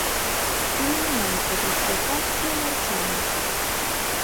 Cun momento do espectáculo, marchamos.